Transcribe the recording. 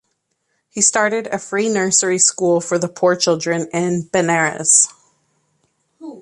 He started a free nursery school for the poor children in Benaras.